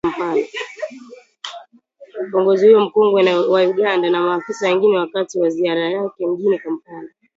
kiongozi huyo mkongwe wa Uganda na maafisa wengine wakati wa ziara yake mjini kampala